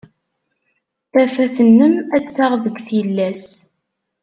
Tafat-nnem ad d-taɣ deg tillas.